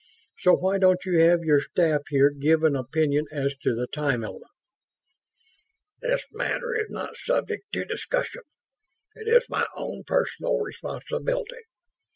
So why don't you have your staff here give an opinion as to the time element?" "This matter is not subject to discussion. It is my own personal responsibility.